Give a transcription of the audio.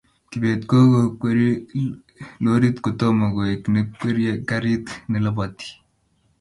kibet ko kokwerie lorit kotomo koek ne kwerie garit ne lapati